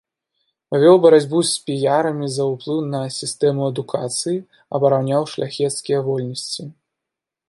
Вёў барацьбу з піярамі за ўплыў на сістэму адукацыі, абараняў шляхецкія вольнасці.